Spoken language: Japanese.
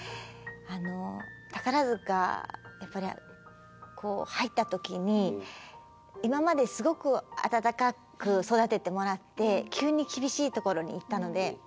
やっぱり入った時に今まですごく温かく育ててもらって急に厳しいところに行ったので。